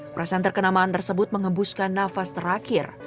perasaan terkenamaan tersebut mengembuskan nafas terakhir